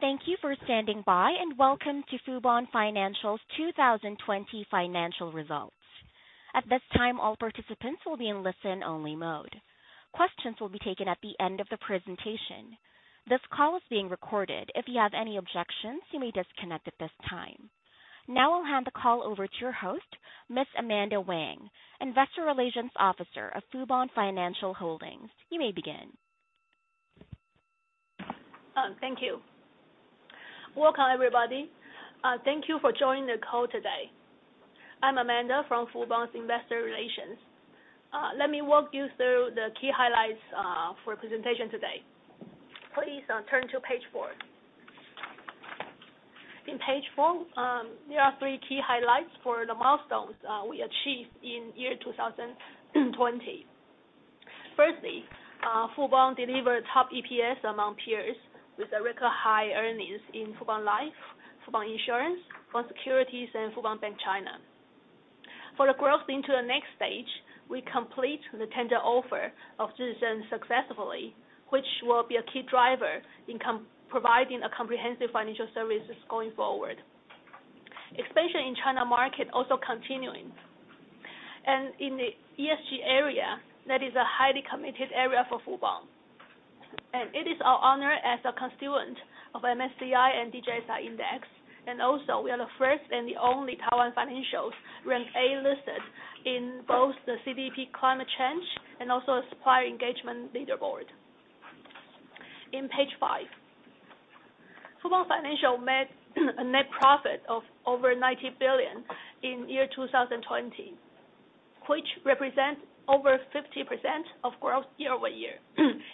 Thank you for standing by, and welcome to Fubon Financial's 2020 financial results. At this time, all participants will be in listen-only mode. Questions will be taken at the end of the presentation. This call is being recorded. If you have any objections, you may disconnect at this time. Now I'll hand the call over to your host, Ms. Amanda Wang, investor relations officer of Fubon Financial Holdings. You may begin. Thank you. Welcome, everybody. Thank you for joining the call today. I'm Amanda from Fubon's investor relations. Let me walk you through the key highlights for presentation today. Please turn to page four. In page four, there are three key highlights for the milestones we achieved in year 2020. Firstly, Fubon delivered top EPS among peers with record high earnings in Fubon Life, Fubon Insurance, Fubon Securities, and Fubon Bank China. For the growth into the next stage, we complete the tender offer of Jih Sun successfully, which will be a key driver in providing comprehensive financial services going forward. Expansion in China market also continuing. In the ESG area, that is a highly committed area for Fubon. It is our honor as a constituent of MSCI and DJSI index, also we are the first and the only Taiwan financials ranked A-listed in both the CDP climate change and also the Supplier Engagement Leaderboard. In page five, Fubon Financial made a net profit of over 90 billion in year 2020, which represents over 50% of growth year-over-year,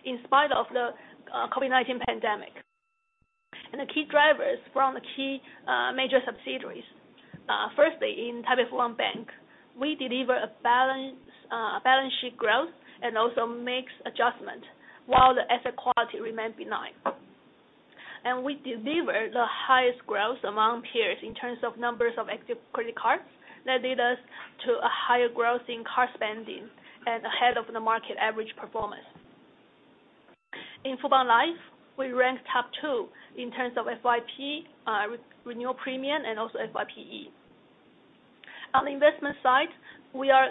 in spite of the COVID-19 pandemic. The key drivers from the key major subsidiaries. Firstly, in Taipei Fubon Bank, we deliver a balance sheet growth and also mix adjustment while the asset quality remained benign. We delivered the highest growth among peers in terms of numbers of active credit cards that lead us to a higher growth in card spending and ahead of the market average performance. In Fubon Life, we ranked top two in terms of FYP, renewal premium, and also FYPE. On the investment side, we are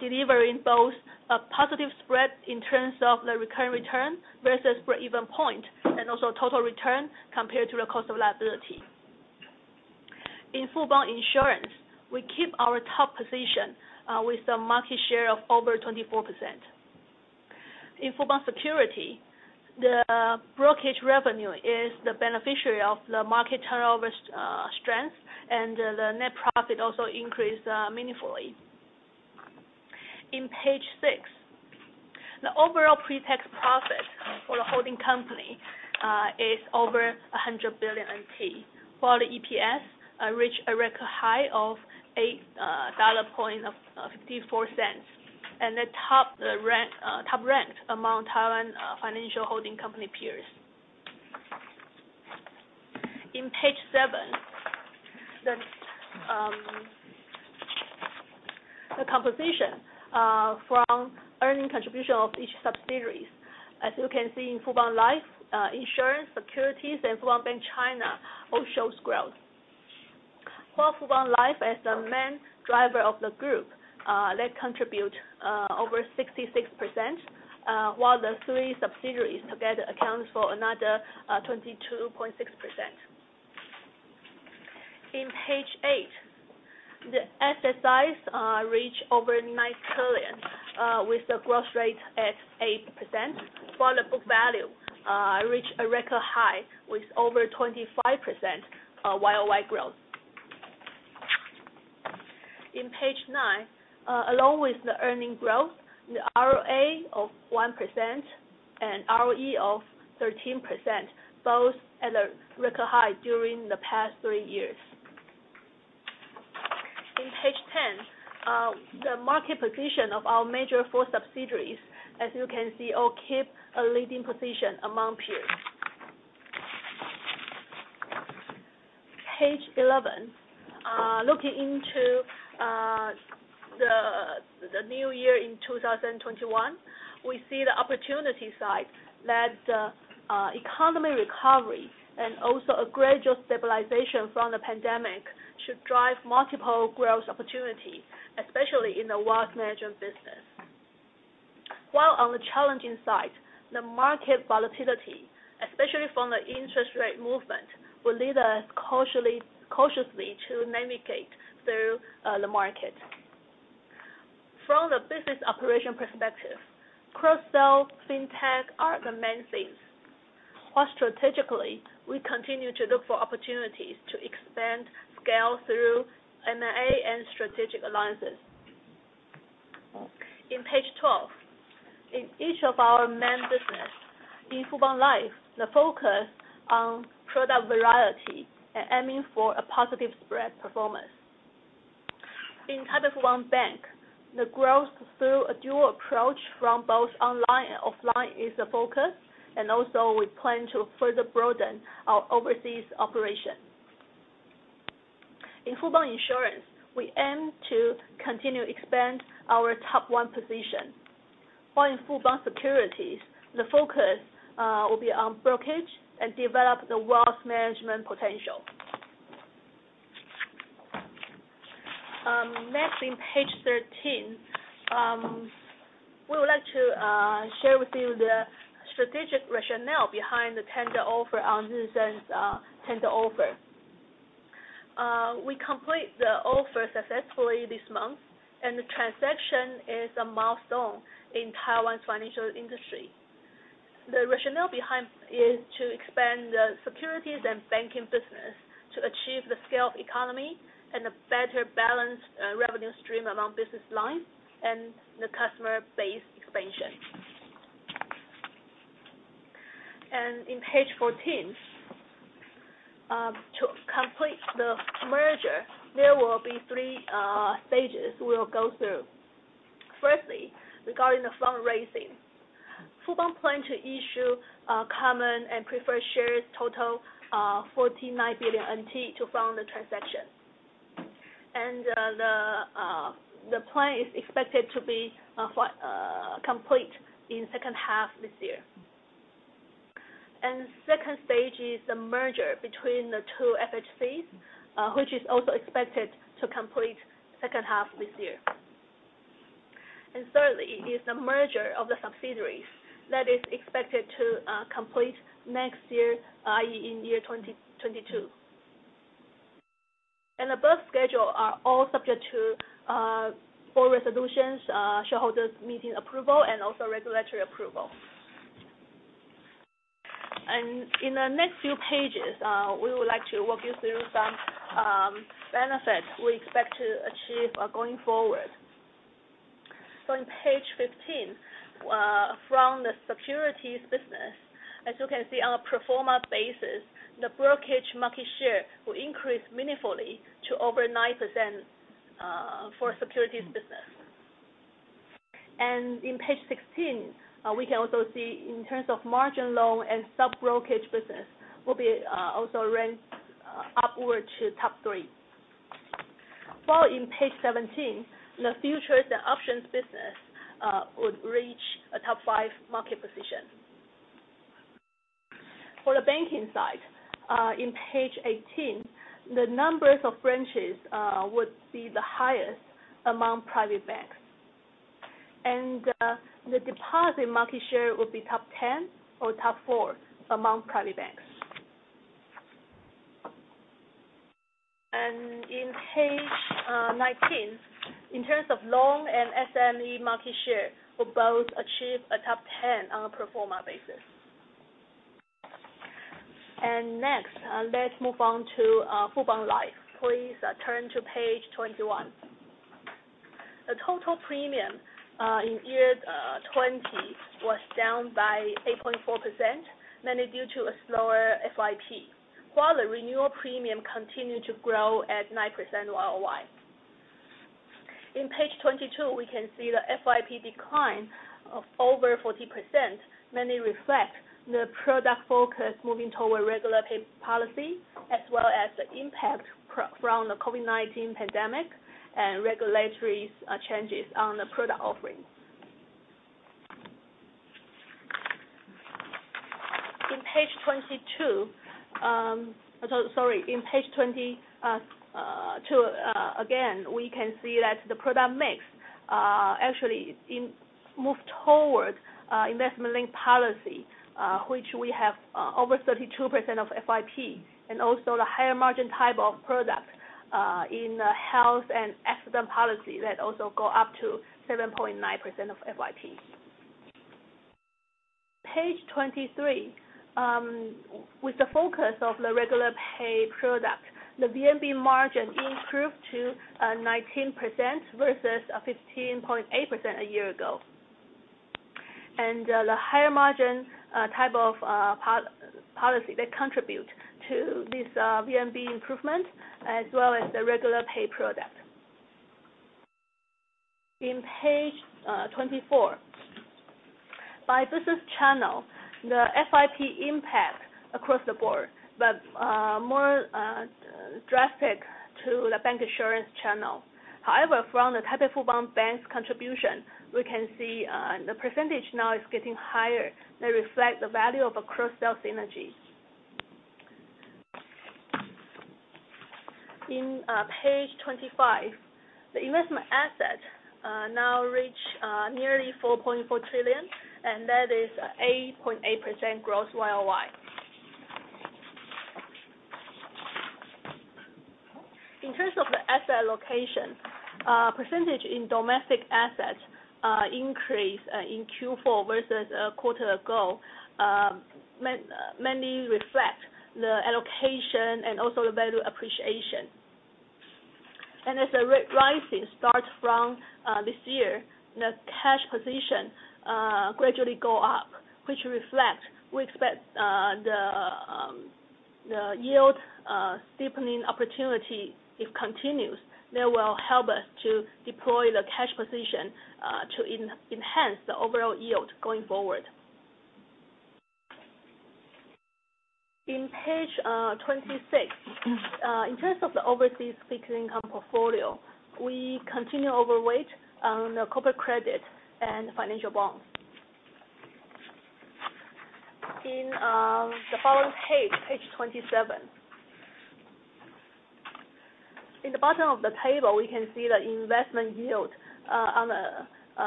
delivering both a positive spread in terms of the recurring return versus breakeven point, and also total return compared to the cost of liability. In Fubon Insurance, we keep our top position with a market share of over 24%. In Fubon Securities, the brokerage revenue is the beneficiary of the market turnover strength, and the net profit also increased meaningfully. In page six, the overall pre-tax profit for the holding company is over 100 billion NT, while the EPS reached a record high of 8.54 dollar. The top rank among Taiwan financial holding company peers. In page seven, the composition from earning contribution of each subsidiaries. As you can see in Fubon Life, Insurance, Securities, and Fubon Bank China all shows growth. Fubon Life as the main driver of the group, that contribute over 66%, while the three subsidiaries together accounts for another 22.6%. In page eight, the asset size reach over 90 billion, with the growth rate at 8%, while the book value reach a record high with over 25% year-over-year growth. In page nine, along with the earnings growth, the ROA of 1% and ROE of 13%, both at a record high during the past three years. In page 10, the market position of our major four subsidiaries, as you can see, all keep a leading position among peers. Page 11, looking into the new year in 2021, we see the opportunity side that economic recovery and also a gradual stabilization from the pandemic should drive multiple growth opportunities, especially in the wealth management business. On the challenging side, the market volatility, especially from the interest rate movement, will lead us cautiously to navigate through the market. From the business operation perspective, cross-sell, fintech are the main things. Strategically, we continue to look for opportunities to expand scale through M&A and strategic alliances. In page 12, in each of our main business, in Fubon Life, the focus on product variety and aiming for a positive spread performance. In Taipei Fubon Bank, the growth through a dual approach from both online and offline is a focus, and also we plan to further broaden our overseas operation. In Fubon Insurance, we aim to continue expand our top 1 position. In Fubon Securities, the focus will be on brokerage and develop the wealth management potential. Next, in page 13, we would like to share with you the strategic rationale behind the tender offer on tender offer. We complete the offer successfully this month, the transaction is a milestone in Taiwan's financial industry. The rationale behind is to expand the securities and banking business to achieve the scale of economy and a better balanced revenue stream among business lines, and the customer base expansion. In page 14, to complete the merger, there will be 3 stages we will go through. Firstly, regarding the fundraising. Fubon plan to issue common and preferred shares total of 49 billion NT to fund the transaction. The plan is expected to be complete in second half this year. Second stage is the merger between the 2 FHCs, which is also expected to complete second half this year. Thirdly is the merger of the subsidiaries. That is expected to complete next year, i.e., in year 2022. Above schedule are all subject to full resolutions, shareholders meeting approval, and also regulatory approval. In the next few pages, we would like to walk you through some benefits we expect to achieve going forward. On page 15, from the securities business, as you can see on a pro forma basis, the brokerage market share will increase meaningfully to over 9% for securities business. In page 16, we can also see in terms of margin loan and sub-brokerage business, will be also ranked upward to top 3. In page 17, the futures and options business would reach a top 5 market position. For the banking side, in page 18, the numbers of branches would be the highest among private banks. The deposit market share would be top 10 or top four among private banks. In page 19, in terms of loan and SME market share, will both achieve a top 10 on a pro forma basis. Next, let's move on to Fubon Life. Please turn to page 21. The total premium in year 2020 was down by 8.4%, mainly due to a slower FYP, while the renewal premium continued to grow at 9% YoY. In page 22, we can see the FYP decline of over 40%, mainly reflect the product focus moving toward regular pay policy, as well as the impact from the COVID-19 pandemic, and regulatory changes on the product offerings. In page 22, again, we can see that the product mix actually moved toward investment-linked policy, which we have over 32% of FYP, and also the higher margin type of product in the health and accident policy that also go up to 7.9% of FYP. Page 23. With the focus of the regular pay product, the VNB margin improved to 19% versus 15.8% a year ago. The higher margin type of policy that contribute to this VNB improvement, as well as the regular pay product. In page 24, by business channel, the FYP impact across the board, but more drastic to the bank insurance channel. However, from the Taipei Fubon Bank's contribution, we can see the percentage now is getting higher, may reflect the value of a cross-sell synergy. In page 25, the investment asset now reach nearly 4.4 trillion, that is 8.8% growth YoY. In terms of the asset allocation, percentage in domestic assets increase in Q4 versus a quarter ago, mainly reflect the allocation and also the value appreciation. As the rate rising start from this year, the cash position gradually go up, which reflect, we expect the yield steepening opportunity, if continues, that will help us to deploy the cash position to enhance the overall yield going forward. In page 26, in terms of the overseas fixed income portfolio, we continue overweight on the corporate credit and financial bonds. In the following page 27. In the bottom of the table, we can see the investment yield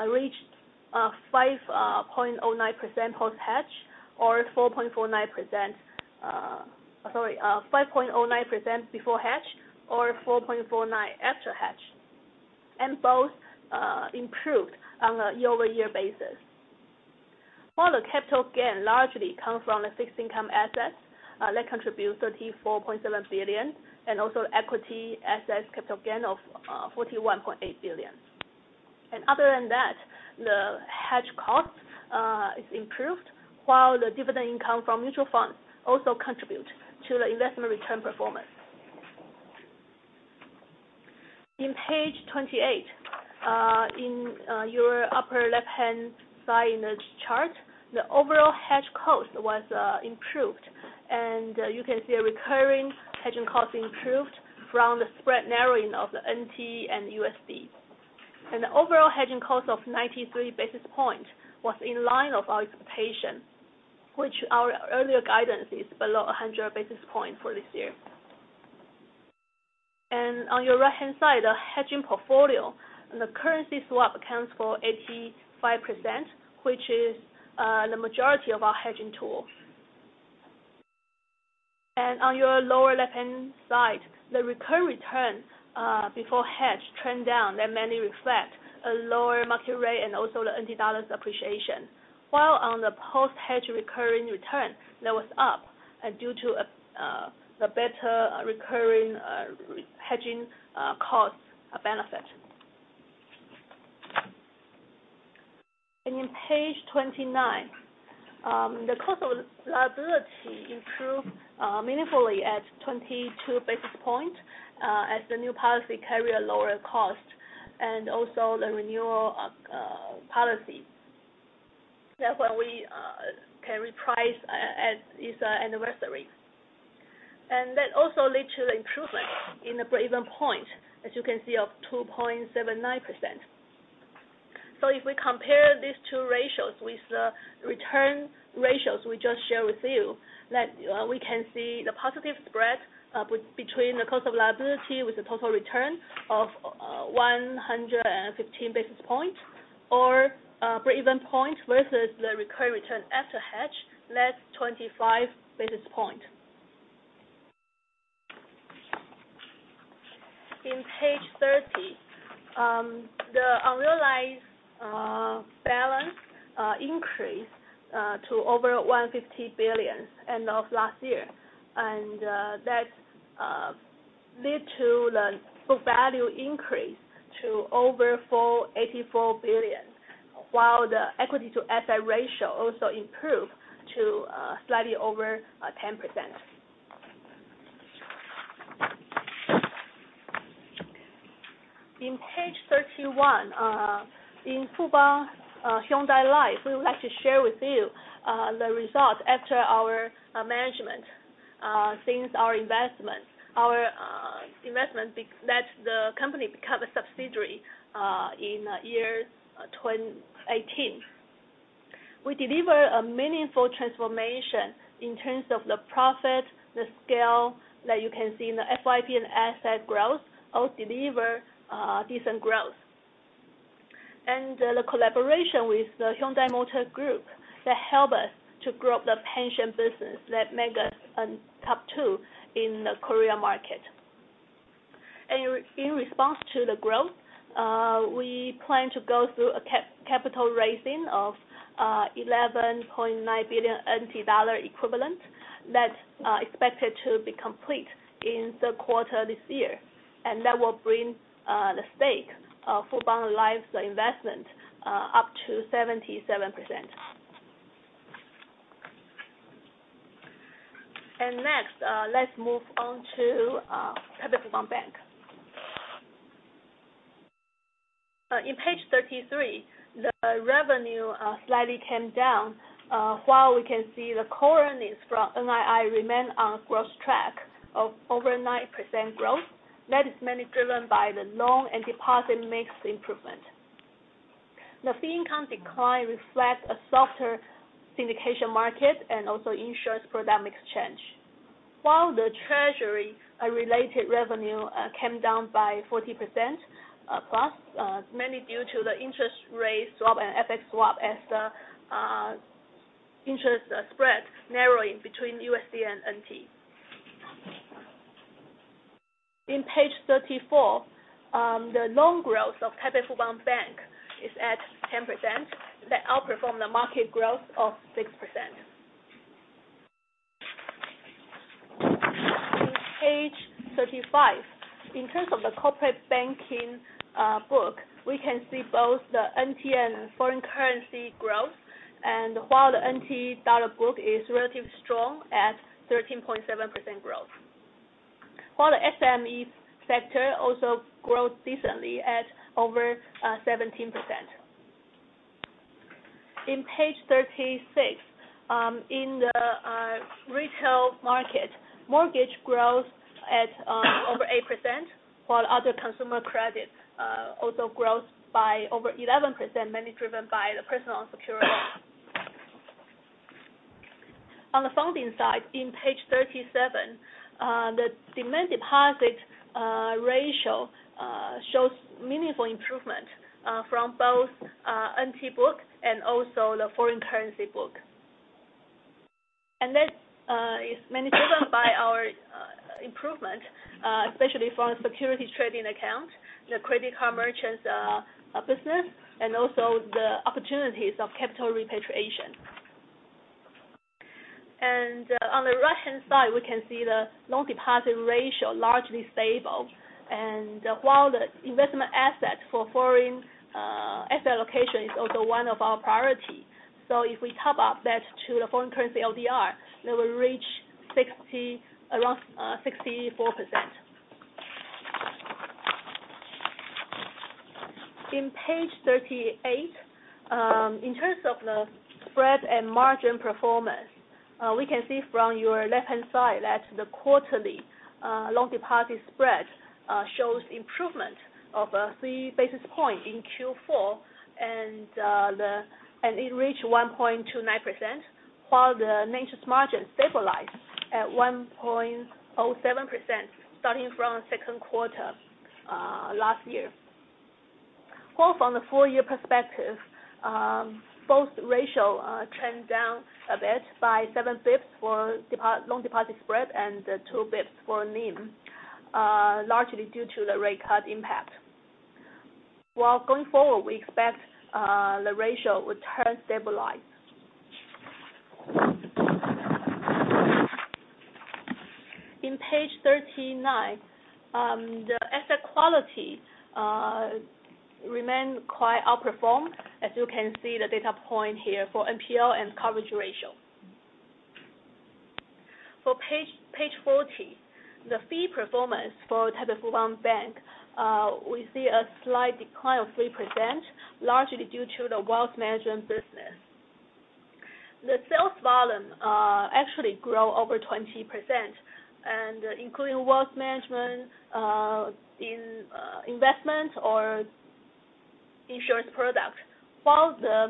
reached 5.09% before hedge or 4.49% after hedge, both improved on a year-over-year basis. All the capital gain largely comes from the fixed income assets that contribute 34.7 billion, also equity assets capital gain of 41.8 billion. Other than that, the hedge cost is improved, while the dividend income from mutual funds also contribute to the investment return performance. In page 28, in your upper left-hand side in this chart, the overall hedge cost was improved. You can see a recurring hedging cost improved from the spread narrowing of the NT and USD. The overall hedging cost of 93 basis points was in line of our expectation, which our earlier guidance is below 100 basis points for this year. On your right-hand side, the hedging portfolio, the currency swap accounts for 85%, which is the majority of our hedging tool. On your lower left-hand side, the recurring return before hedge trend down that mainly reflect a lower market rate and also the TWD's appreciation. On the post-hedge recurring return, that was up due to the better recurring hedging cost benefit. In page 29, the cost of liability improved meaningfully at 22 basis points as the new policy carry a lower cost and also the renewal policy that we can reprice at this anniversary. That also lead to the improvement in the break-even point, as you can see, of 2.79%. If we compare these two ratios with the return ratios we just shared with you, we can see the positive spread between the cost of liability with the total return of 115 basis points, or break-even point versus the recurring return after hedge, that's 25 basis points. In page 30, the unrealized balance increased to over 150 billion end of last year. That lead to the book value increase to over 484 billion, while the equity to asset ratio also improved to slightly over 10%. In page 31, in Fubon Hyundai Life, we would like to share with you the results after our management since our investment. Our investment lets the company become a subsidiary in year 2018. We deliver a meaningful transformation in terms of the profit, the scale that you can see in the FYP and asset growth all deliver decent growth. The collaboration with the Hyundai Motor Group that help us to grow the pension business that make us a top two in the Korea market. In response to the growth, we plan to go through a capital raising of 11.9 billion NT dollar equivalent that's expected to be complete in the quarter this year. That will bring the stake of Fubon Life's investment up to 77%. Next, let's move on to Taipei Fubon Bank. In page 33, the revenue slightly came down, while we can see the core earnings from NII remain on growth track of over 9% growth. That is mainly driven by the loan and deposit mix improvement. The fee income decline reflects a softer syndication market and also insurance product mix change. The treasury-related revenue came down by 40% plus, mainly due to the interest rate swap and FX swap as the interest spread narrowing between USD and NT. In page 34, the loan growth of Taipei Fubon Bank is at 10%, that outperform the market growth of 6%. In page 35, in terms of the corporate banking book, we can see both the NT and foreign currency growth. While the TWD book is relatively strong at 13.7% growth. While the SME sector also grows decently at over 17%. In page 36, in the retail market, mortgage growth at over 8%, while other consumer credit also grows by over 11%, mainly driven by the personal unsecured loans. On the funding side, in page 37, the demand deposit ratio shows meaningful improvement from both NT books and also the foreign currency book. That is mainly driven by our improvement, especially from securities trading account, the credit card merchants business, and also the opportunities of capital repatriation. On the right-hand side, we can see the loan deposit ratio largely stable. While the investment asset for foreign asset allocation is also one of our priority. If we top up that to the foreign currency LDR, that will reach around 64%. In page 38, in terms of the spread and margin performance, we can see from your left-hand side that the quarterly loan deposit spread shows improvement of 3 basis point in Q4, and it reached 1.29%, while the net interest margin stabilized at 1.07%, starting from second quarter last year. From the full-year perspective, both ratio trend down a bit by 7 basis points for loan deposit spread and 2 basis points for NIM, largely due to the rate cut impact. Going forward, we expect the ratio will turn stabilized. In page 39, the asset quality remain quite outperformed, as you can see the data point here for NPL and coverage ratio. For page 40, the fee performance for Taipei Fubon Bank, we see a slight decline of 3%, largely due to the wealth management business. The sales volume actually grow over 20%, and including wealth management in investment or insurance product, while the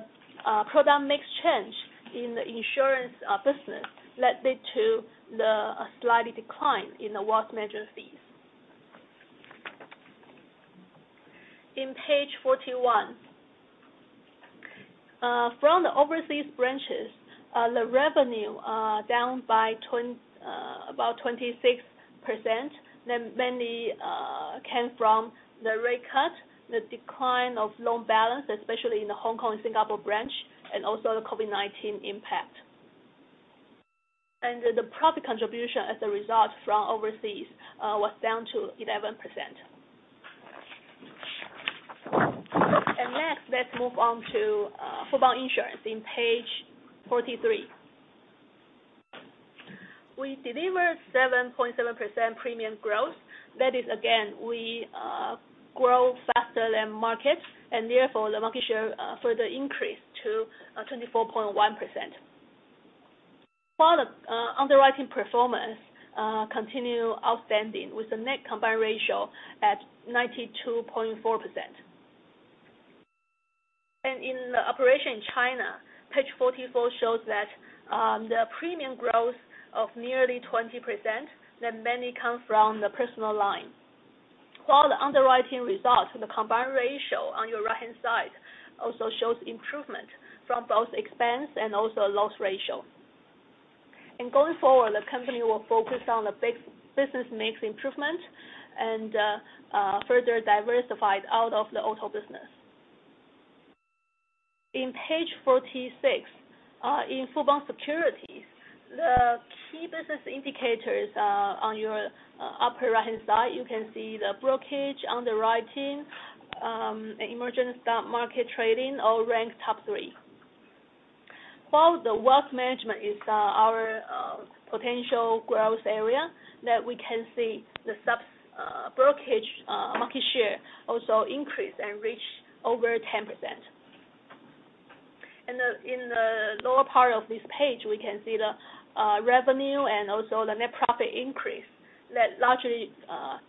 product mix change in the insurance business led to the slight decline in the wealth management fees. In page 41. From the overseas branches, the revenue are down by about 26%, that mainly came from the rate cut, the decline of loan balance, especially in the Hong Kong and Singapore branch, and also the COVID-19 impact. The profit contribution as a result from overseas was down to 11%. Next, let's move on to Fubon Insurance in page 43. We deliver 7.7% premium growth. That is, again, we grow faster than market and therefore the market share further increase to 24.1%. While the underwriting performance continue outstanding with the net combined ratio at 92.4%. In the operation China, page 44 shows that the premium growth of nearly 20%, that mainly come from the personal line. While the underwriting results and the combined ratio on your right-hand side also shows improvement from both expense and also loss ratio. Going forward, the company will focus on the business mix improvement and further diversified out of the auto business. In page 46, in Fubon Securities, the key business indicators are on your upper right-hand side. You can see the brokerage underwriting, emerging stock market trading, all ranked top three. While the wealth management is our potential growth area, that we can see the sub brokerage market share also increase and reach over 10%. In the lower part of this page, we can see the revenue and also the net profit increase that largely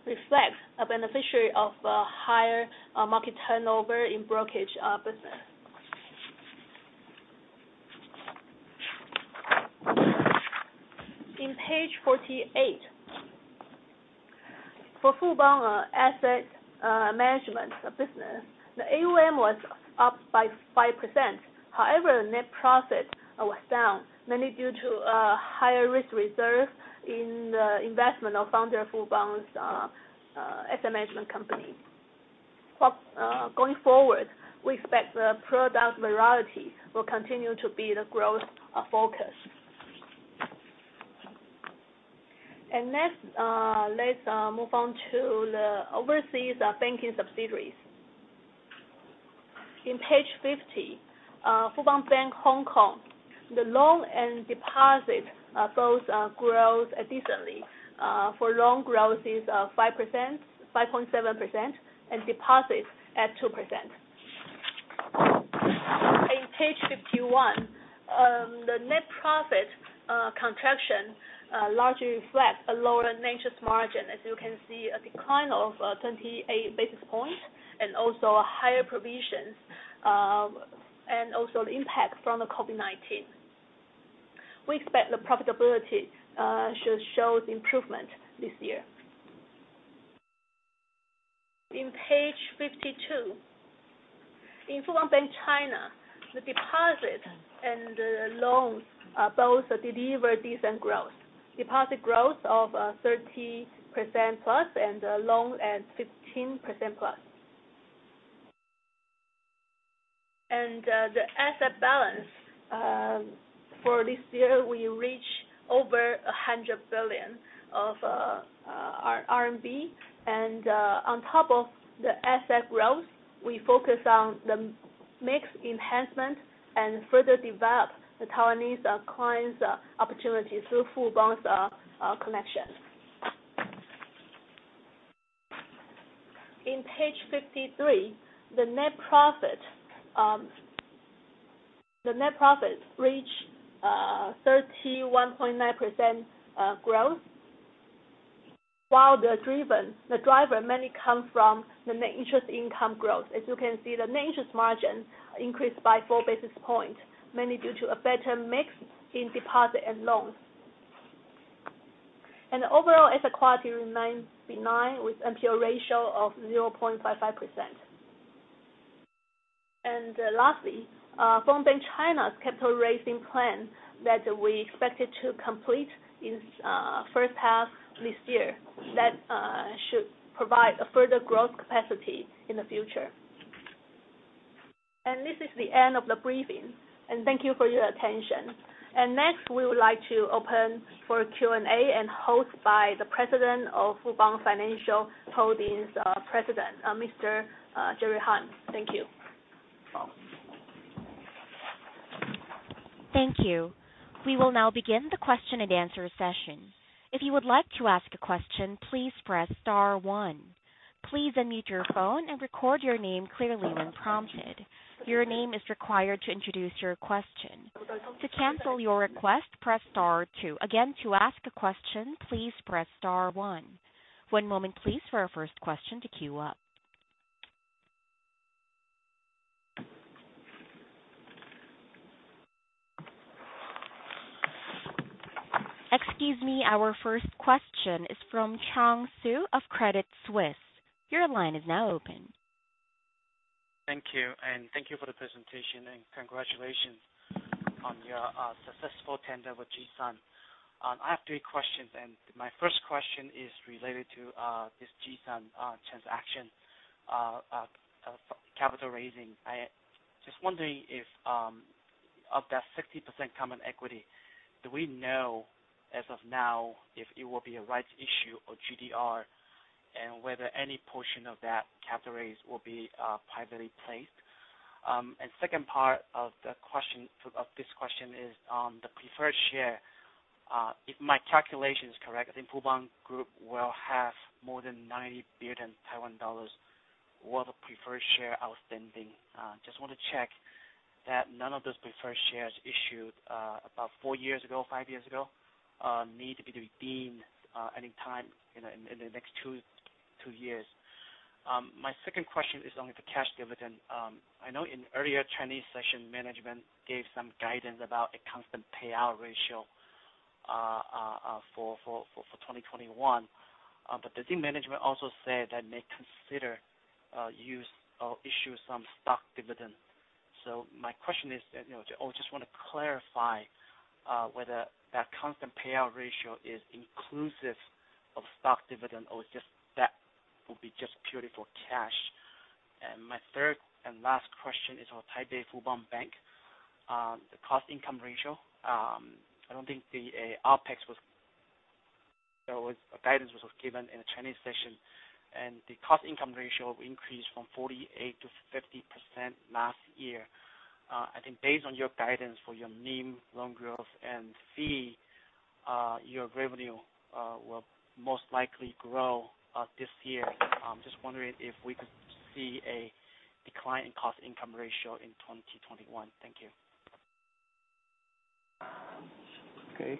reflects the benefit of a higher market turnover in brokerage business. In page 48, for Fubon asset management business, the AUM was up by 5%. However, the net profit was down, mainly due to a higher risk reserve in the investment of fund of Fubon's asset management company. Going forward, we expect the product variety will continue to be the growth focus. Next, let's move on to the overseas banking subsidiaries. In page 50, Fubon Bank Hong Kong, the loan and deposit both grow decently. For loan growth is 5.7%, and deposits at 2%. In page 51, the net profit contraction largely reflects a lower net interest margin. As you can see, a decline of 28 basis points, also a higher provisions, also the impact from the COVID-19. We expect the profitability should show improvement this year. In page 52, in Fubon Bank China, the deposit and loans both deliver decent growth. Deposit growth of 30% plus and loan at 15% plus. The asset balance for this year, we reach over 100 billion RMB, on top of the asset growth, we focus on the mix enhancement and further develop the Taiwanese clients' opportunities through Fubon's connection. In page 53, the net profit reached 31.9% growth, while the driver mainly comes from the net interest income growth. As you can see, the net interest margin increased by four basis points, mainly due to a better mix in deposit and loans. The overall asset quality remains benign with NPL ratio of 0.55%. Lastly, Fubon Bank China's capital raising plan that we expected to complete in first half this year, that should provide a further growth capacity in the future. This is the end of the briefing. Thank you for your attention. Next, we would like to open for Q&A and host by the President of Fubon Financial Holdings, President Mr. Jerry Harn. Thank you. Thank you. We will now begin the question and answer session. If you would like to ask a question, please press star one. Please unmute your phone and record your name clearly when prompted. Your name is required to introduce your question. To cancel your request, press star two. Again, to ask a question, please press star one. One moment, please, for our first question to queue up. Excuse me. Our first question is from Chung Hsu of Credit Suisse. Your line is now open. Thank you. Thank you for the presentation. Congratulations on your successful tender with Jih Sun. I have three questions. My first question is related to this Jih Sun transaction of capital raising. Just wondering if, of that 60% common equity, do we know as of now if it will be a rights issue or GDR, and whether any portion of that capital raise will be privately placed? Second part of this question is on the preferred share. If my calculation is correct, I think Fubon Group will have more than 90 billion Taiwan dollars worth of preferred share outstanding. Just want to check that none of those preferred shares issued about four years ago, five years ago, need to be redeemed any time in the next two years. My second question is on the cash dividend. I know in earlier Chinese session, management gave some guidance about a constant payout ratio for 2021. I think management also said that may consider use or issue some stock dividend. My question is, or just want to clarify, whether that constant payout ratio is inclusive of stock dividend or that will be just purely for cash. My third and last question is on Taipei Fubon Bank, the cost income ratio. I don't think the apex guidance was given in the Chinese session, and the cost income ratio increased from 48%-50% last year. I think based on your guidance for your NIM, loan growth, and fee, your revenue will most likely grow this year. Just wondering if we could see a decline in cost income ratio in 2021. Thank you. Okay.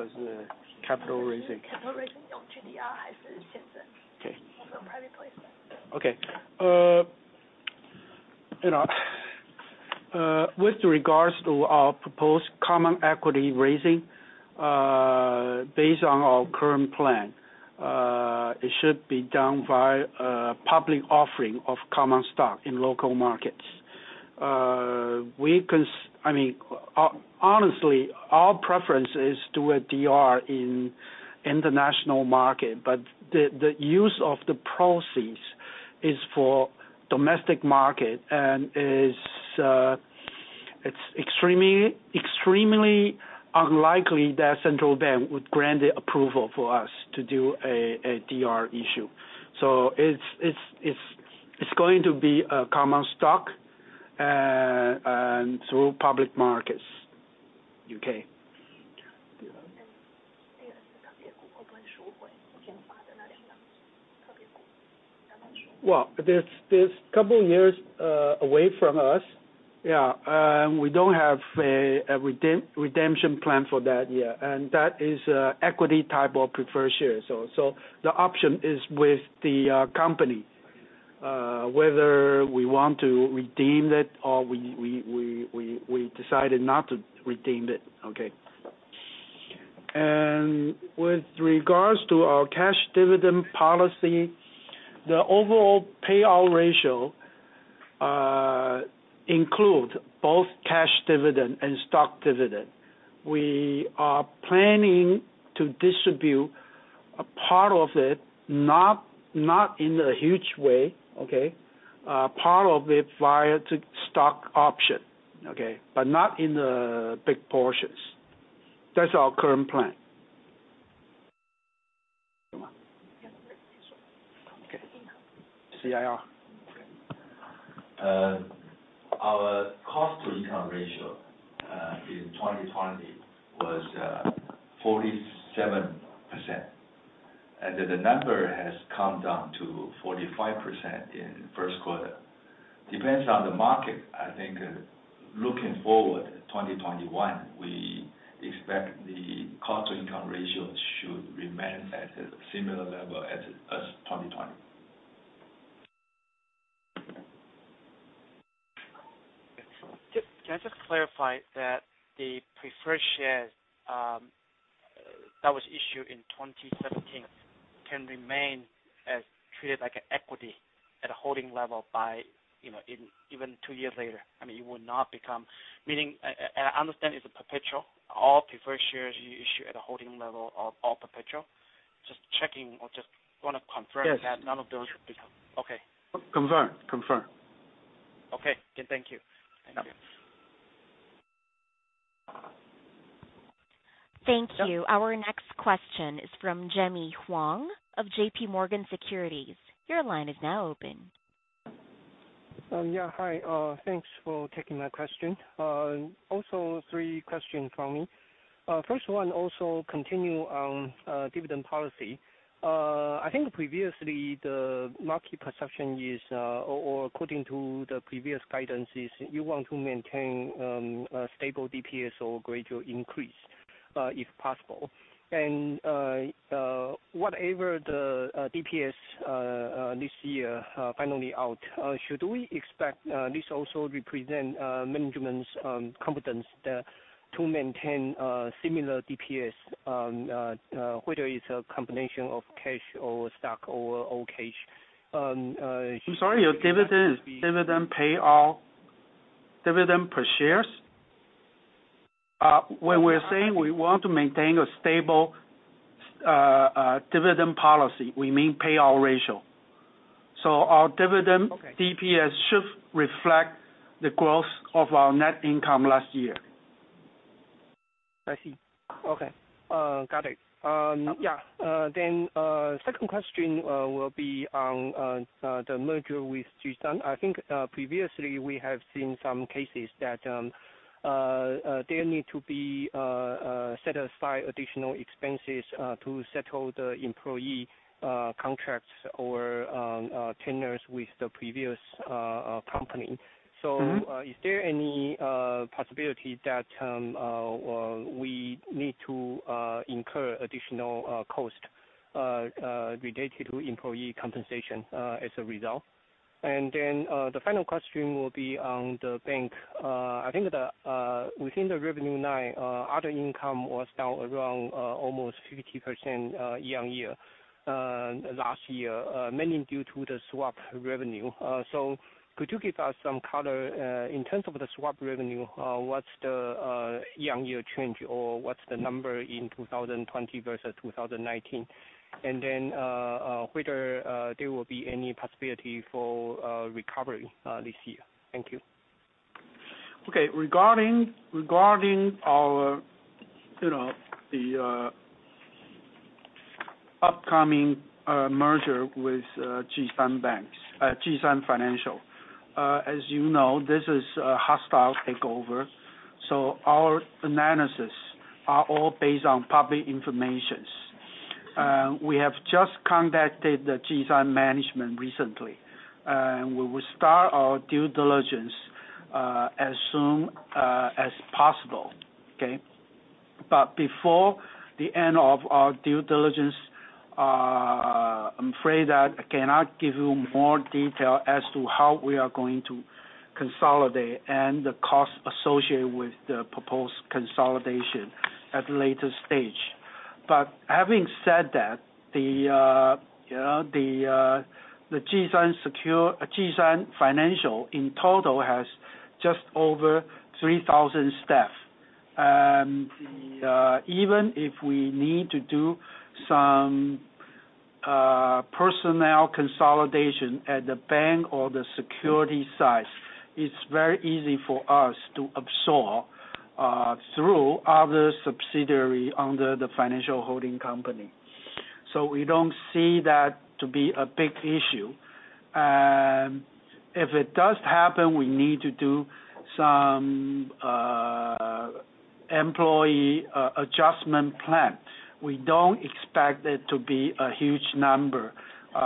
As the capital raising. Capital raising on GDR. Okay. Also private placement. Okay. With regards to our proposed common equity raising, based on our current plan, it should be done via public offering of common stock in local markets. Honestly, our preference is to a DR in international market. The use of the proceeds is for domestic market and It's extremely unlikely that Central Bank would grant the approval for us to do a DR issue. It's going to be a common stock, and through public markets. Okay. Well, that's a couple of years away from us. Yeah. We don't have a redemption plan for that yet, and that is equity type of preferred share. The option is with the company, whether we want to redeem it or we decided not to redeem it. Okay. With regards to our cash dividend policy, the overall payout ratio includes both cash dividend and stock dividend. We are planning to distribute a part of it, not in a huge way. Okay. Part of it via stock option, not in the big portions. That's our current plan. CIR. Our cost to income ratio, in 2020 was 47%. The number has come down to 45% in first quarter. Depends on the market, I think, looking forward 2021, we expect the cost to income ratio should remain at a similar level as 2020. Can I just clarify that the preferred shares that was issued in 2017 can remain as treated like an equity at a holding level by even two years later? I mean, it would not become. I understand it's a perpetual, all preferred shares you issue at a holding level are all perpetual. Just checking or just want to confirm. Yes. That none of those should become Okay. Confirmed. Okay. Thank you. Thank you. Thank you. Our next question is from Jimmy Huang of J.P. Morgan Securities. Your line is now open. Yeah. Hi. Thanks for taking my question. Three questions from me. First one continue on dividend policy. I think previously, the market perception is, or according to the previous guidances, you want to maintain a stable DPS or gradual increase, if possible. Whatever the DPS this year finally out, should we expect this also represent management's competence to maintain similar DPS on, whether it's a combination of cash or stock or all cash? I'm sorry, your dividend payout, dividend per shares? When we're saying we want to maintain a stable dividend policy, we mean payout ratio. Our dividend- Okay. DPS should reflect the growth of our net income last year. I see. Okay. Got it. Yeah. Second question will be on the merger with Jih Sun. I think previously we have seen some cases that there need to be satisfied additional expenses to settle the employee contracts or tenders with the previous company. Is there any possibility that we need to incur additional cost related to employee compensation, as a result? The final question will be on the bank. I think within the revenue line, other income was down around almost 50% year-on-year last year, mainly due to the swap revenue. Could you give us some color, in terms of the swap revenue, what's the year-on-year change or what's the number in 2020 versus 2019? Whether there will be any possibility for recovery this year. Thank you. Okay. Regarding our upcoming merger with Jih Sun Financial. As you know, this is a hostile takeover, our analyses are all based on public information. We have just contacted the Jih Sun management recently, and we will start our due diligence as soon as possible. Okay? Before the end of our due diligence, I'm afraid that I cannot give you more detail as to how we are going to consolidate and the cost associated with the proposed consolidation at a later stage. Having said that, Jih Sun Financial in total has just over 3,000 staff. Even if we need to do some personnel consolidation at the bank or the security side, it's very easy for us to absorb through other subsidiaries under the financial holding company. We don't see that to be a big issue. If it does happen, we need to do some employee adjustment plan. We don't expect it to be a huge number to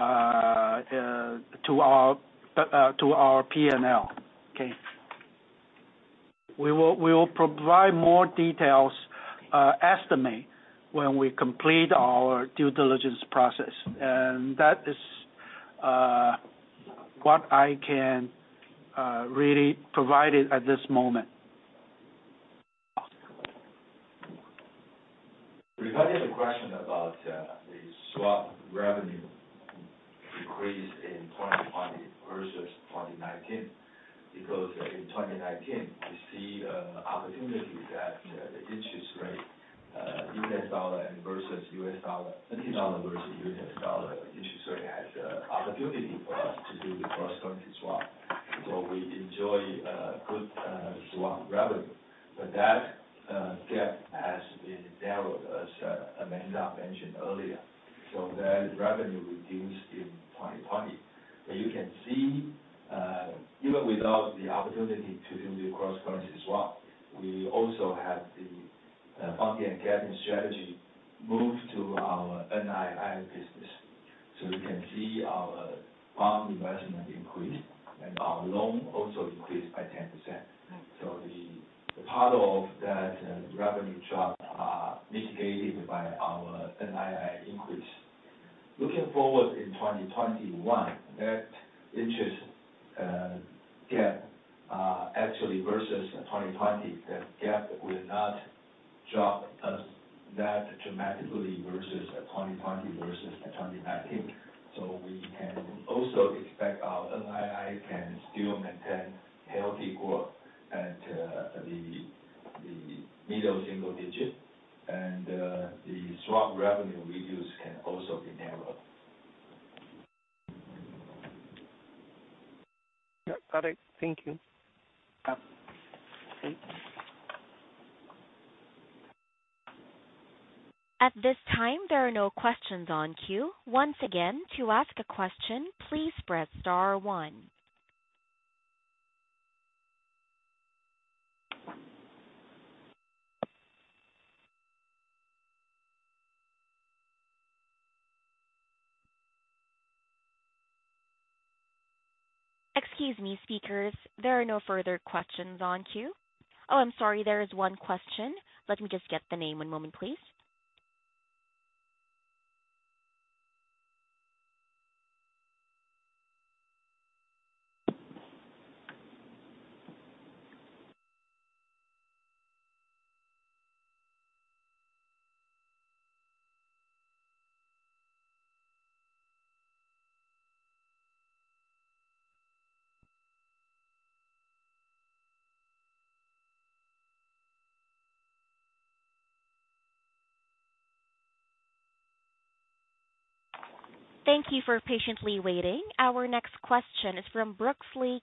our P&L. Okay. We will provide more details estimate when we complete our due diligence process, and that is what I can really provide at this moment. Regarding the question about the swap revenue decrease in 2020 versus 2019. In 2019, we see the opportunities that the interest rate, U.S. dollar versus TWD has the opportunity for us to do the cross-currency swap. We enjoy good swap revenue. That gap has been narrowed, as Amanda mentioned earlier, that revenue reduced in 2020. You can see, even without the opportunity to do the cross-currency swap, we also have the funding and gathering strategy move to our NII business. You can see our bond investment increased, and our loan also increased by 10%. Right. The part of that revenue drop is mitigated by our NII increase. Looking forward in 2021, that interest gap actually versus 2020, that gap will not drop that dramatically versus 2020 versus 2019. We can also expect our NII can still maintain healthy growth at the middle single digit, and the swap revenue reduction can also be narrowed. Got it. Thank you. Yeah. Okay. At this time, there are no questions in queue. Once again, to ask a question, please press star one. Excuse me, speakers. There are no further questions in queue. Oh, I'm sorry, there is one question. Let me just get the name, one moment, please. Thank you for patiently waiting. Our next question is from Brooks Lee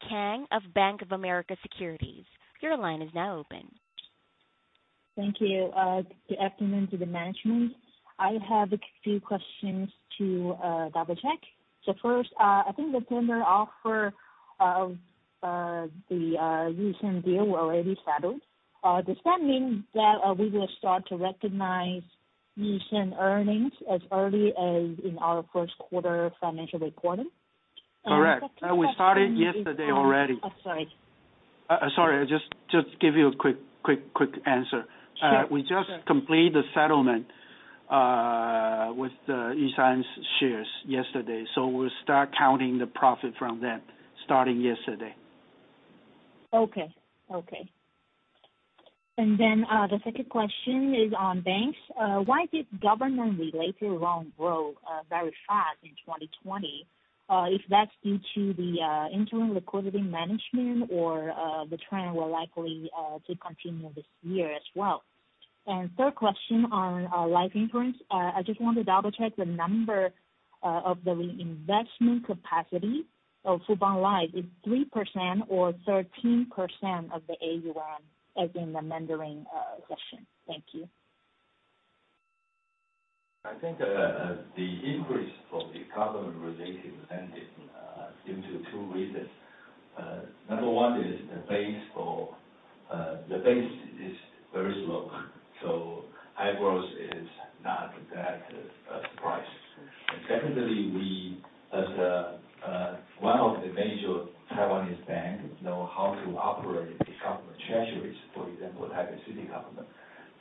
of Bank of America Securities. Your line is now open. Thank you. Good afternoon to the management. I have a few questions to double-check. First, I think the tender offer of the E.Sun deal already settled. Does that mean that we will start to recognize E.Sun earnings as early as in our first quarter financial reporting? Correct. We started yesterday already. Sorry. Sorry, just to give you a quick answer. Sure. We just completed the settlement with E.Sun's shares yesterday, so we'll start counting the profit from that starting yesterday. Okay. The second question is on banks. Why did government-related loans grow very fast in 2020? Is that due to the interim liquidity management or the trend will likely to continue this year as well? Third question on life insurance. I just want to double-check the number of the reinvestment capacity of Fubon Life, is 3% or 13% of the AUM, as in the Mandarin session? Thank you. I think the increase of the government relations lending is due to two reasons. Number 1 is the base is very low, so high growth is not that a surprise. Secondly, we, as one of the major Taiwanese banks, know how to operate the government treasuries, for example, Taipei City Government.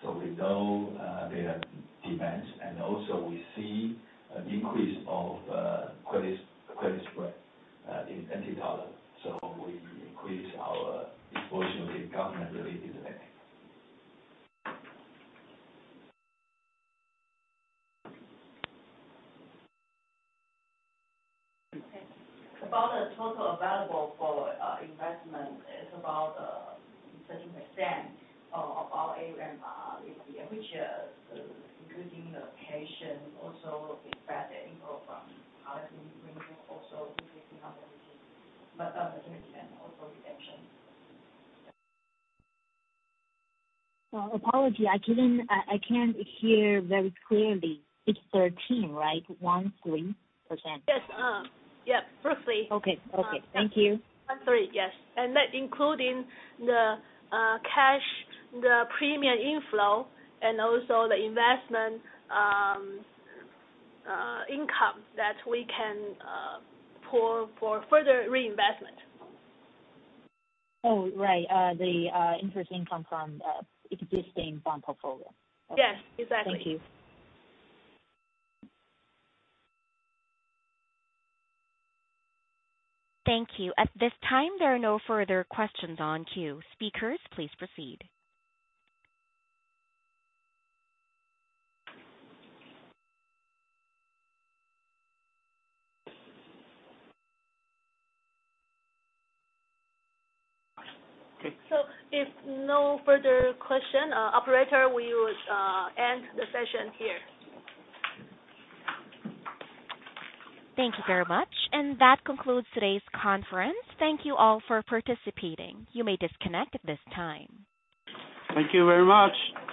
We know their demands, and also we see an increase of credit spread in TWD. We increase our exposure to government-related lending. About the total available for investment is about 13% of our AUM, which including the cash and also the investment inflow from policy renewal, also increasing our 13%. Investment and also redemption. Apology, I can't hear very clearly. It's 13, right? 13%? Yes. Okay. Thank you. I'm sorry, yes. That, including the cash, the premium inflow, and also the investment income that we can pull for further reinvestment. Oh, right. The interest income from existing bond portfolio. Yes, exactly. Thank you. Thank you. At this time, there are no further questions on queue. Speakers, please proceed. Okay. If no further question, operator, we would end the session here. Thank you very much. That concludes today's conference. Thank you all for participating. You may disconnect at this time. Thank you very much. Thank you.